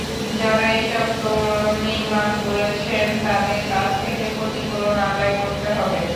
যাঁরা এসব তোরণ নির্মাণ করেছেন, তাঁদের কাছ থেকে ক্ষতিপূরণ আদায় করতে হবে।